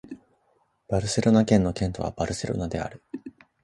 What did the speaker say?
バルセロナ県の県都はバルセロナである